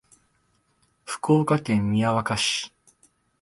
福岡県宮若市